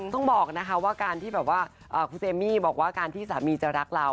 ต้องบอกนะคะว่าการที่แบบว่าคุณเจมมี่บอกว่าการที่สามีจะรักเรา